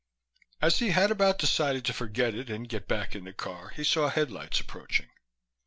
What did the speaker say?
As he had about decided to forget it and get back in the car he saw headlights approaching.